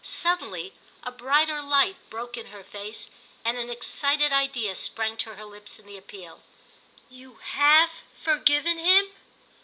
Suddenly a brighter light broke in her face and an excited idea sprang to her lips in the appeal: "You have forgiven him?"